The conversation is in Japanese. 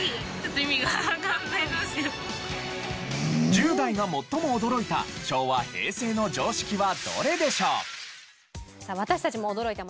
１０代が最も驚いた昭和・平成の常識はどれでしょう？